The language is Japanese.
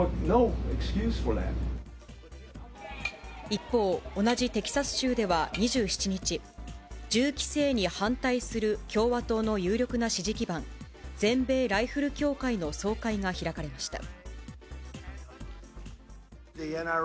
一方、同じテキサス州では２７日、銃規制に反対する共和党の有力な支持基盤、全米ライフル協会の総会が開かれました。